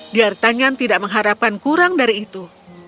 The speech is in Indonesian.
diatanyan tidak mengharapkan kurang dari itu